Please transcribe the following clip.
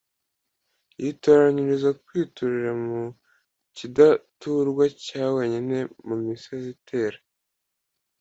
Yitoranyiriza kwiturira mu kidaturwa cya wenyine mu misozi itera,